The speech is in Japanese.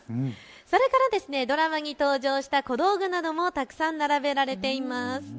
それからドラマに登場した小道具などもたくさん並べられています。